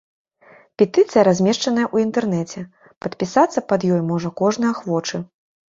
Петыцыя размешчаная ў інтэрнэце, падпісацца пад ёй можа кожны ахвочы.